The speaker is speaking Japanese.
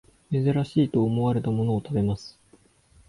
珍しいと思われたものを食べます